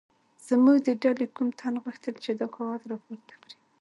زموږ د ډلې کوم تن غوښتل چې دا کاغذ راپورته کړي.